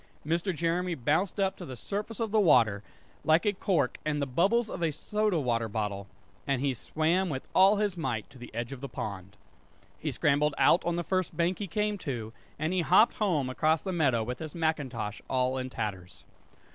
Mr. Jeremy bounced up to the surface of the water, like a cork and the bubbles out of a soda water bottle; and he swam with all his might to the edge of the pond. He scrambled out on the first bank he came to, and he hopped home across the meadow with his macintosh all in tatters.